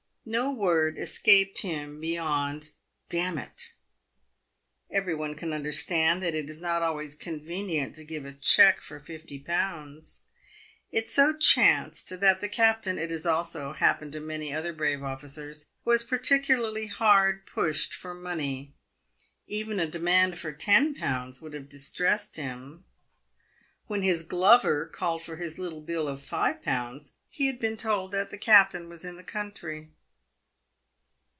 No word escaped him beyond " D — n it I" Everybody can understand that it is not always convenient to give a cheque for fifty pounds. It so chanced that the captain — it has also happened to many other brave officers — was particularly hard pushed for money. Even a demand for ten pounds would have dis tressed him. When his glover called for his little bill of five pounds he had been told the captain was in the country.